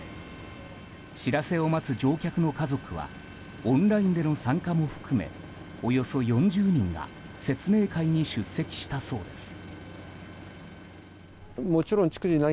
知らせを待つ乗客の家族はオンラインでの参加も含めおよそ４０人が説明会に出席したそうです。